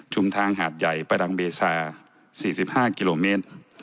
ทางหาดใหญ่ประดังเบซา๔๕กิโลเมตร